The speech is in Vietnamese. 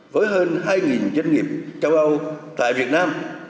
với hơn hai doanh nghiệp châu âu tại việt nam